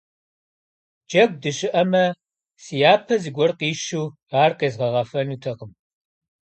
Джэгу дыщыӀэмэ, сяпэ зыгуэр къищу ар къезгъэгъэфэнутэкъым.